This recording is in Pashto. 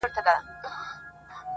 ته خو له هري ښيښې وځې و ښيښې ته ورځې.